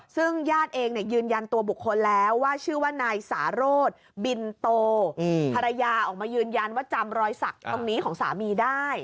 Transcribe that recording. ซึ่งญาติเองยืนยันตัวบุคคลแล้วว่าชื่อว่านายสาโรธบินโตภรรยาออกมายืนยันว่าจำรอยสักตรงนี้ของสามีได้